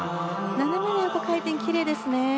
斜めの横回転きれいですね。